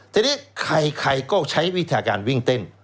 ทีนี้ใครก็ใช้วิธีการวิ่งเต้น